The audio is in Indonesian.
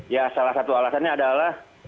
ya salah satu alasannya adalah